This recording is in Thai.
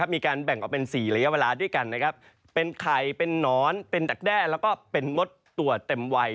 มีการแบ่งออกเป็น๔ระยะเวลาด้วยกันนะครับเป็นไข่เป็นนอนเป็นดักแด้แล้วก็เป็นมดตัวเต็มวัย